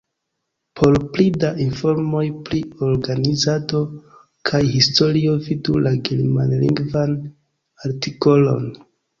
Por pli da informoj pri organizado kaj historio vidu la germanlingvan artikolon.